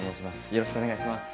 よろしくお願いします。